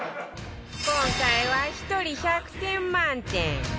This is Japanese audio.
今回は１人１００点満点